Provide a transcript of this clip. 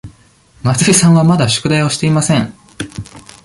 松井さんはまだ宿題をしていません。